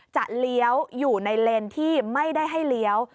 เลี้ยวอยู่ในเลนที่ไม่ได้ให้เลี้ยว